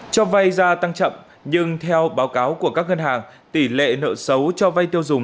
cho vay ra tăng chậm nhưng theo báo cáo của các ngân hàng tỷ lệ nợ xấu cho vay tiêu dùng